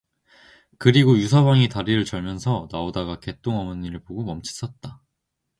그리고 유서방이 다리를 절면서 나오다가 개똥 어머니를 보고 멈칫 섰다.